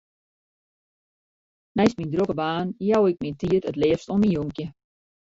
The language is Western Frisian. Neist myn drokke baan jou ik myn tiid it leafst oan myn jonkje.